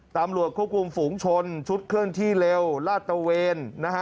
ตำรวจควบคุมฝูงชนชุดเคลื่อนที่เร็วลาดตะเวนนะฮะ